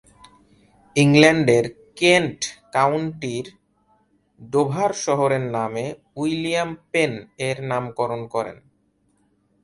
ইংল্যান্ডের কেন্ট কাউন্টির ডোভার শহরের নামে উইলিয়াম পেন এর নামকরণ করেন।